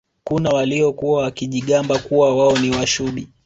kuna waliokuwa wakijigamba kuwa wao ni Washubi